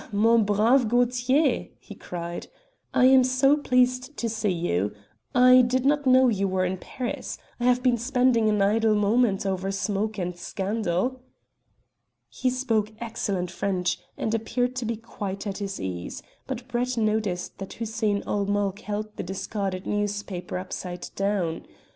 mon brave Gaultier," he cried, "I am so pleased to see you. I did not know you were in Paris. I have been spending an idle moment over smoke and scandal." He spoke excellent French, and appeared to be quite at his ease, but Brett noticed that Hussein ul Mulk held the discarded newspaper upside down.